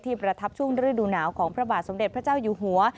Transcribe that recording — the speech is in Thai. ประทับช่วงฤดูหนาวของพระบาทสมเด็จพระเจ้าอยู่หัว